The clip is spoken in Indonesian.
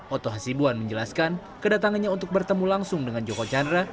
oto hasibuan menjelaskan kedatangannya untuk bertemu langsung dengan joko chandra